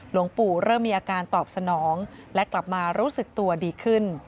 หลวงปู่เริ่มมีอาการตอบสนองและกลับมารู้สึกตัวดีขึ้น